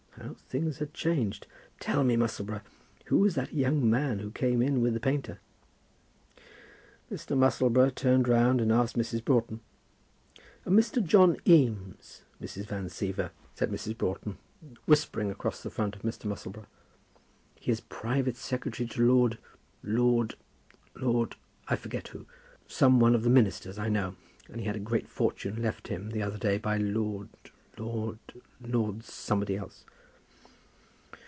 How things are changed! Tell me, Musselboro, who was that young man who came in with the painter?" Mr. Musselboro turned round and asked Mrs. Broughton. "A Mr. John Eames, Mrs. Van Siever," said Mrs. Broughton, whispering across the front of Mr. Musselboro. "He is private secretary to Lord Lord Lord I forget who. Some one of the Ministers, I know. And he had a great fortune left him the other day by Lord Lord Lord somebody else."